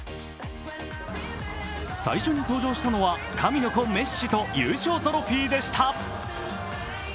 最初に登場したのは、神の子・メッシと優勝トロフィーでした。